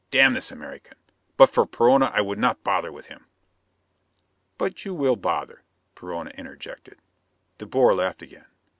Damn this American! But for Perona I would not bother with him." "But you will bother," Perona interjected. De Boer laughed again.